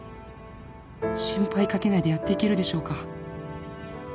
「心配かけないでやっていけるでしょうか？」